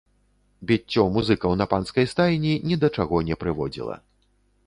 Біццё музыкаў на панскай стайні ні да чаго не прыводзіла.